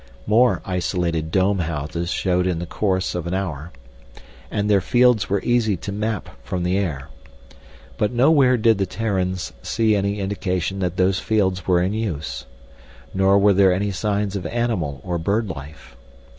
More isolated dome houses showed in the course of an hour. And their fields were easy to map from the air. But nowhere did the Terrans see any indication that those fields were in use. Nor were there any signs of animal or bird life.